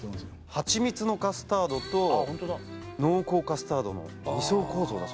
蜂蜜のカスタードと濃厚カスタードの２層構造だそうです。